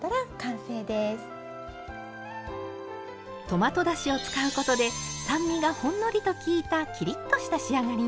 トマトだしを使うことで酸味がほんのりと効いたきりっとした仕上がりに。